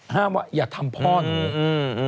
ว่าอย่าทำพ่อหนู